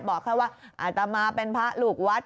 บอกแค่ว่าอาตมาเป็นพระลูกวัด